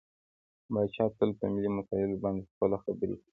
پاچا تل په ملي مسايلو باندې خپله خبرې کوي .